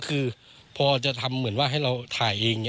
แล้วพอจะทำได้ให้เราถ่ายเอง